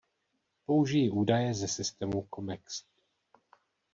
Použiji údaje ze systému Comext.